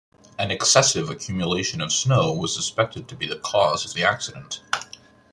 An excessive accumulation of snow was suspected to be the cause of the accident.